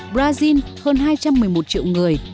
brazil hơn hai trăm một mươi một triệu người